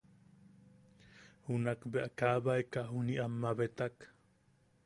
Junak bea kaabaeka juniʼi am mabetak.